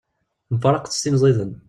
Mfaraqet s tin ziden.